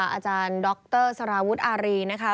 อาจารย์ด็อกเตอร์สารวุทธ์อารีนะคะ